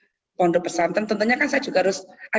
pilih sesuatu pondok pesantren tentunya saya harus ada indikasi